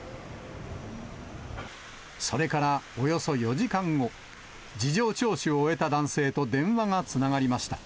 それからおよそ４時間後、事情聴取を終えた男性と電話がつながりました。